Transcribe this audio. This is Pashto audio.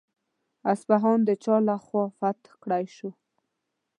اصفهان د چا له خوا فتح کړای شو؟